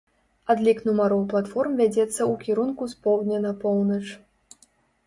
Адлік нумароў платформ вядзецца ў кірунку з поўдня на поўнач.